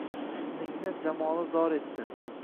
Husningni jamoli zor etdi